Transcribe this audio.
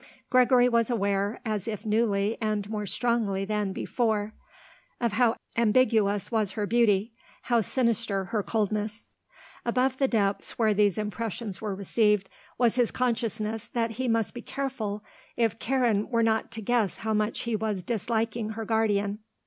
Gregory was aware, as if newly and more strongly than before, of how ambiguous was her beauty, how sinister her coldness. Above the depths where these impressions were received was his consciousness that he must be careful if Karen were not to guess how much he was disliking her guardian.